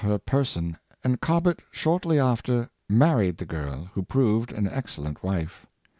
her person, and Cobbett shortly after married the girl, who proved an excellent wife.